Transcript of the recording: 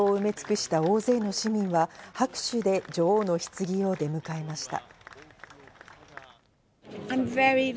沿道を埋め尽くした大勢の市民は拍手で女王のひつぎを出迎えました。